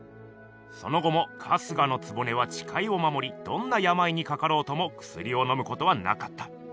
その後も春日局はちかいをまもりどんなやまいにかかろうともくすりをのむことはなかった。